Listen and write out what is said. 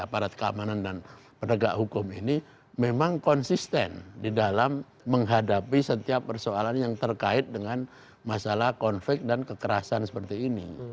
aparat keamanan dan penegak hukum ini memang konsisten di dalam menghadapi setiap persoalan yang terkait dengan masalah konflik dan kekerasan seperti ini